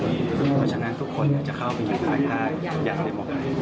เพราะฉะนั้นทุกคนจะเข้าไปอย่างง่ายได้หมดหน่อย